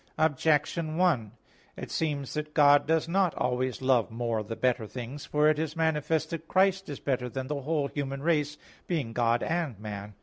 Objection 1: It seems that God does not always love more the better things. For it is manifest that Christ is better than the whole human race, being God and man.